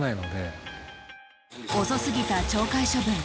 遅いすぎた懲戒処分。